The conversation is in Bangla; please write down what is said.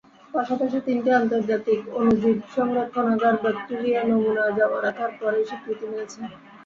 পাশাপাশি তিনটি আন্তর্জাতিক অণুজীব সংরক্ষণাগার ব্যাকটেরিয়া নমুনা জমা রাখার পরেই স্বীকৃতি মিলেছে।